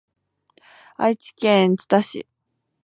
愛知県知多市